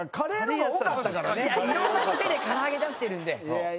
いろんな店で唐揚げ出してるんで。